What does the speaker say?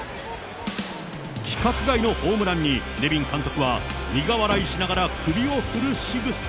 規格外のホームランに、ネビン監督は苦笑いしながら首を振るしぐさ。